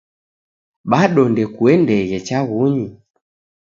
Bado ndekuendeghe chaghunyi?